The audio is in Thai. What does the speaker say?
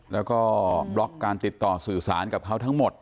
แล้วก็บล็อกการติดต่อสื่อสารกับเขาทั้งหมด